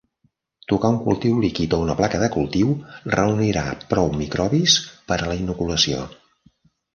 Tocar un cultiu líquid o una placa de cultiu reunirà prou microbis per a la inoculació.